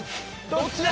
どっちだ？